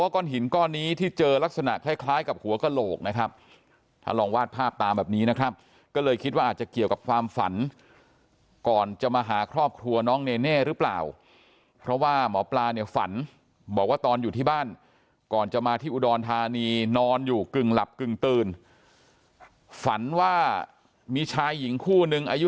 ก้อนหินก้อนนี้ที่เจอลักษณะคล้ายคล้ายกับหัวกระโหลกนะครับถ้าลองวาดภาพตามแบบนี้นะครับก็เลยคิดว่าอาจจะเกี่ยวกับความฝันก่อนจะมาหาครอบครัวน้องเนเน่หรือเปล่าเพราะว่าหมอปลาเนี่ยฝันบอกว่าตอนอยู่ที่บ้านก่อนจะมาที่อุดรธานีนอนอยู่กึ่งหลับกึ่งตื่นฝันว่ามีชายหญิงคู่นึงอายุ